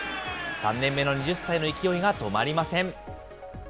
３年目の２０歳の勢いが止まりません。